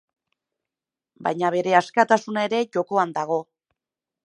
Baina bere askatasuna ere jokoan dago.